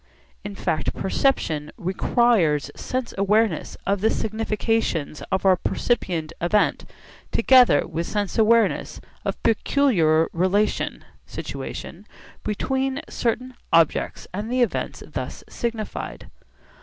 In fact perception requires sense awareness of the significations of our percipient event together with sense awareness of a peculiar relation (situation) between certain objects and the events thus signified.